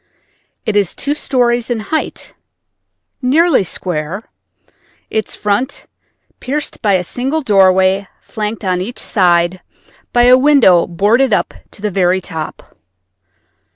It is two stories in height, nearly square, its front pierced by a single doorway flanked on each side by a window boarded up to the very top.